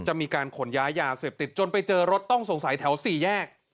มีการขนย้ายยาเสพติดจนไปเจอรถต้องสงสัยแถว๔แยก